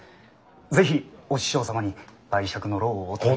是非お師匠様に媒酌の労をお取り。